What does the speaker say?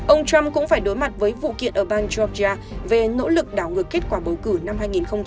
ông trump cũng phải đối mặt với vụ kiện ở bang georgia về nỗ lực đảo ngược kết quả bầu cử năm hai nghìn một mươi năm